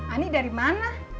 ani dari mana